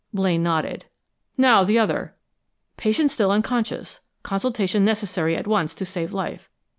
'" Blaine nodded. "Now, the other." "'Patient still unconscious. Consultation necessary at once to save life.